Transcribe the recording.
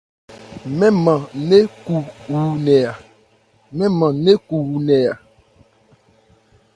Mɛn man nɛ̂n cu wú nkɛ a.